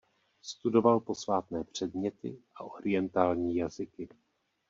Studoval posvátné předměty a orientální jazyky.